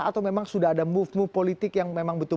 atau memang sudah ada move move politik yang memang betul